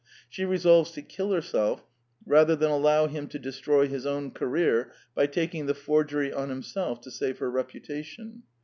She resolves to kill her self rather than allow him to destroy his own career by taking the forgery on himself to save her reputation.